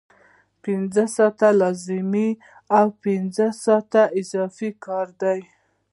پنځه ساعته لازم او پنځه ساعته اضافي کار دی